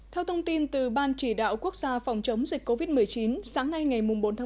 theo thông tin từ ban chỉ đạo quốc gia phòng chống dịch covid một mươi chín sáng nay ngày bốn tháng một